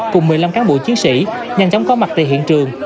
cùng một mươi năm cán bộ chiến sĩ nhanh chóng có mặt tại hiện trường